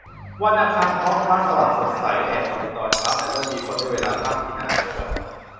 วันอังคารท้องฟ้าสว่างสดใส แดดออกในตอนเช้า แต่เริ่มมีฝนในเวลาพักกินอาหารกลางวัน